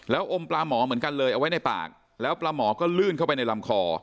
แล้วอมปลาหมอเหมือนกันเลยเอาไว้ในปากแล้วปลาหมอก็ลื่นเข้าไปในลำคอ